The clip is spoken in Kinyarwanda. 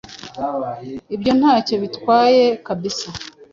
Ibyo ntacyo bintwaye kabisa